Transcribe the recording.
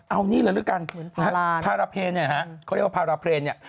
เอานี่เลยด้วยกันภาระเพลงเนี่ยฮะเขาเรียกว่าพาราเพลนเนี่ย